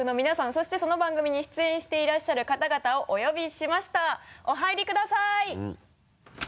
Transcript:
そしてその番組に出演していらっしゃる方々をお呼びしましたお入りください！